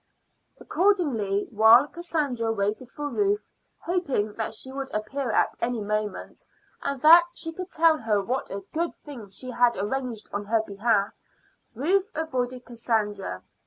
Accordingly, while Cassandra waited for Ruth, hoping that she would appear at any moment, and that she could tell her what a good thing she had arranged on her behalf, Ruth avoided Cassandra.